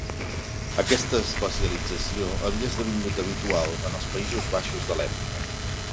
Aquesta especialització havia esdevingut habitual en els Països Baixos de l'època.